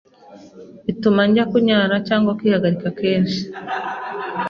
bituma ajya Kunyara cyangwa Kwihagarika kenshi